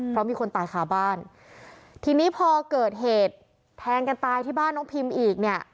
เพราะมีคนตายคาบ้านทีนี้พอเกิดเหตุแทงกันตายที่บ้านน้องพิมอีกเนี่ย